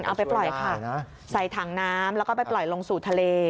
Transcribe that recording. เอาไปปล่อยค่ะใส่ถังน้ำแล้วก็ไปปล่อยลงสู่ทะเล